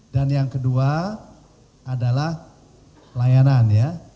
dan yang kedua adalah layanan